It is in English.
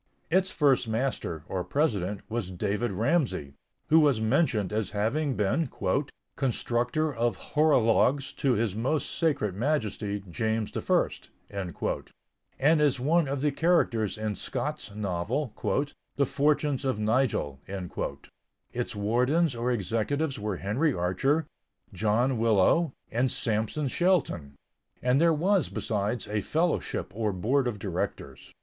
Its first master, or president, was David Ramsay, who was mentioned as having been "constructor of horologes to His Most Sacred Majesty, James I," and is one of the characters in Scott's novel "The Fortunes of Nigel." Its wardens or executives were Henry Archer, John Willowe, and Sampson Shelton; and there was, besides, a fellowship, or board of directors.